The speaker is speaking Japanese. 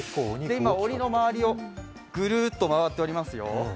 今、おりの周りをぐるっと回っておりますよ。